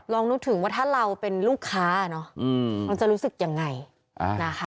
นึกถึงว่าถ้าเราเป็นลูกค้าเนอะมันจะรู้สึกยังไงนะคะ